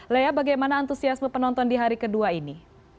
lea bagaimana antusiasme penonton di hari kedua ini